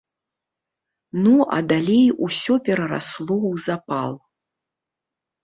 Ну, а далей усё перарасло ў запал.